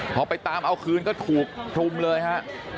พอไปตามเอาคืนก็ถูกรุมเลยฮะ